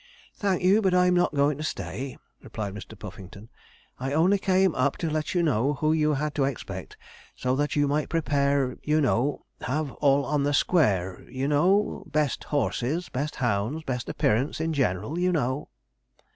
'Thank you, but I'm not going to stay,' replied Mr. Puffington; 'I only came up to let you know who you had to expect, so that you might prepare, you know have all on the square, you know best horses best hounds best appearance in general, you know.'